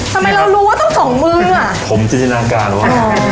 ทำไมเรารู้ว่าทั้งสองมืออ่ะผมจินตนาการว่า